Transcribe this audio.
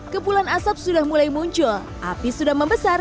kepulan asap sudah mulai muncul api sudah membesar